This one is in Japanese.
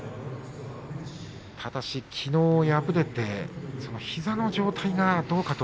ただし、きのう敗れて膝の状態がどうかと。